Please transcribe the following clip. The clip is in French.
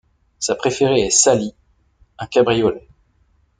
Sa préférée est Sally, un cabriolet.